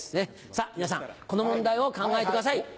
さぁ皆さんこの問題を考えてください。